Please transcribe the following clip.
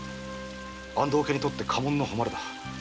安藤家にとって家門の誉れだ。